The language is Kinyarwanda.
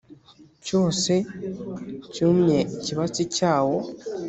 cyose cyumye Ikibatsi cyawo